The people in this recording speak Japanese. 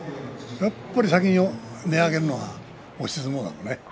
やっぱり先に根を上げるのは押し相撲だものね。